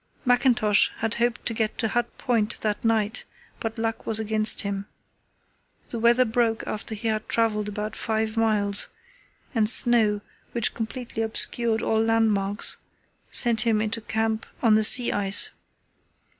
Mackintosh had hoped to get to Hut Point that night, but luck was against him. The weather broke after he had travelled about five miles, and snow, which completely obscured all landmarks, sent him into camp on the sea ice.